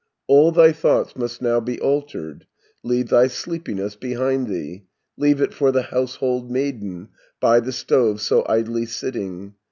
40 "All thy thoughts must now be altered; Leave thy sleepiness behind thee, Leave it for the household maiden, By the stove so idly sitting.